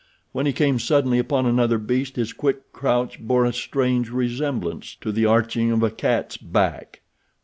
When he came suddenly upon another beast his quick crouch bore a strange resemblance to the arching of a cat's back.